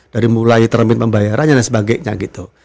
dari mulai termin pembayarannya dan sebagainya gitu